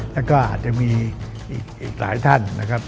แล้วก็อาจจะมีอีกหลายท่าน